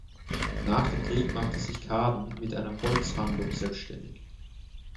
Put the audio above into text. Nach dem Krieg machte sich Kaaden mit einer Holzhandlung selbständig.